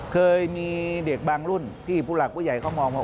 เคยมีเด็กบางรุ่นที่ผู้หลักผู้ใหญ่เขามองว่า